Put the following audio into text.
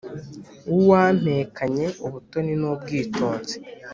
W'uwampekanye ubutoni n’ubwitonzi